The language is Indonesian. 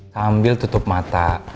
sambil tutup mata